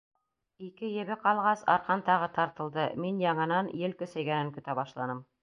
Ике ебе ҡалғас, арҡан тағы тартылды, мин яңынан ел көсәйгәнен көтә башланым.